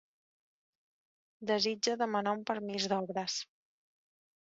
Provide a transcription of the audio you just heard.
Desitja demanar un permís d'obres.